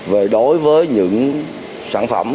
về đối với những sản phẩm